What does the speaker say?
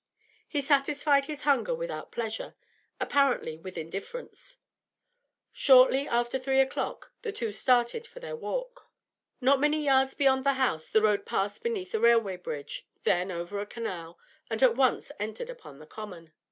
He satisfied his hunger without pleasure, apparently with indifference. Shortly after three o'clock the two started for their walk. Not many yards beyond the house the road passed beneath a railway bridge, then over a canal, and at once entered upon the common.